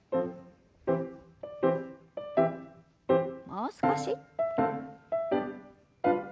もう少し。